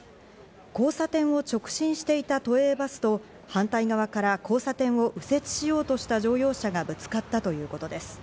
交差点を直進していた都営バスと、反対側から交差点を右折しようとした乗用車がぶつかったということです。